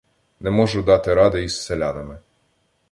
Не можу дати ради із селянами.